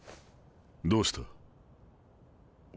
どうした？